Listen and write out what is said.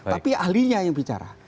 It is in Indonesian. tapi ahlinya yang bicara